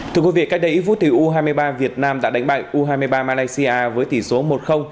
thưa quý vị cách đây vũ thủy u hai mươi ba việt nam đã đánh bại u hai mươi ba malaysia với tỷ số một